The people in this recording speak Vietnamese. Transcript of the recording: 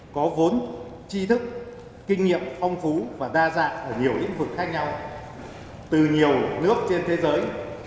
có vốn chi thức kinh nghiệm phong phú và đa dạng ở nhiều lĩnh vực khác nhau từ nhiều nước trên thế giới